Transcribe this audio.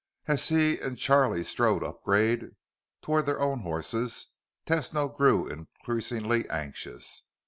As he and Charlie strode upgrade toward their own horses, Tesno grew increasingly anxious.